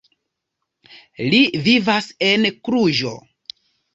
Li vivas en Kluĵo.